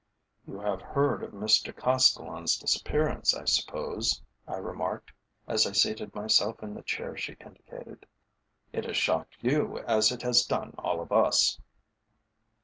"You have heard of Mr Castellan's disappearance, I suppose?" I remarked, as I seated myself in the chair she indicated. "It has shocked you as it has done all of us!"